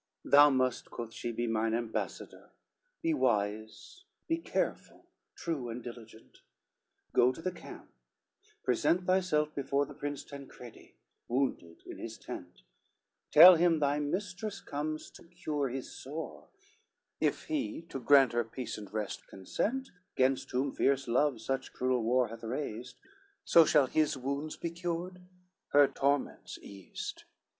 XCIX "Thou must," quoth she, "be mine ambassador, Be wise, be careful, true, and diligent, Go to the camp, present thyself before The Prince Tancredi, wounded in his tent; Tell him thy mistress comes to cure his sore, If he to grant her peace and rest consent Gainst whom fierce love such cruel war hath raised, So shall his wounds be cured, her torments eased.